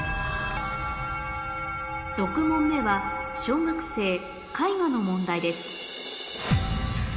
６問目は小学生の問題です